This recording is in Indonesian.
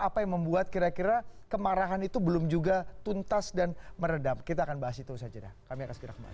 apa yang membuat kira kira kemarahan itu belum juga tuntas dan meredam kita akan bahas itu saja kami akan segera kembali